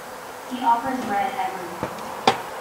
He offers Red everything.